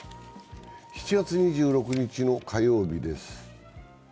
７月２６日の火曜日です。